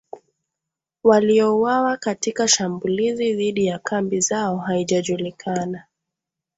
waliouawa katika shambulizi dhidi ya kambi zao haijajulikana